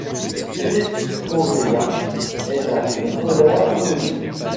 Philippe Correia est un footballeur reconnu.